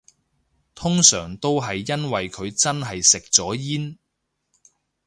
通常都係因為佢真係食咗煙